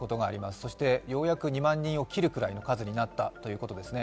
そしてようやく２万人を切るぐらいの数になったということですね。